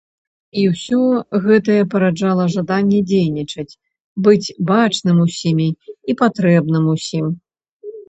І ўсё гэтае параджала жаданні дзейнічаць, быць бачаным усімі і патрэбным усім.